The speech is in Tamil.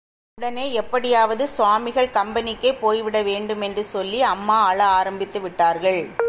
உடனே எப்படியாவது சுவாமிகள் கம்பெனிக்கே போய்விட வேண்டும் என்று சொல்லி, அம்மா அழ ஆரம்பித்து விட்டார்கள்.